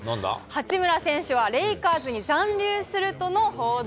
八村選手はレイカーズに残留するとの報道。